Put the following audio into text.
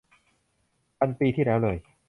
พันปีที่แล้วเลย